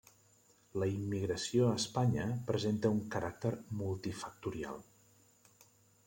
La immigració a Espanya presenta un caràcter multifactorial.